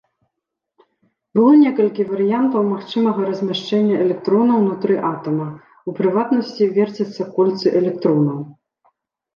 Было некалькі варыянтаў магчымага размяшчэння электронаў ўнутры атама, у прыватнасці верцяцца кольцы электронаў.